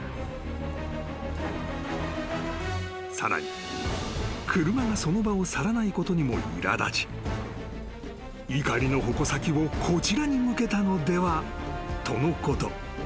［さらに車がその場を去らないことにもいら立ち怒りの矛先をこちらに向けたのではとのこと］